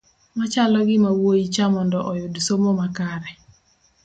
machalo gi mawuoyi cha mondo oyud somo makare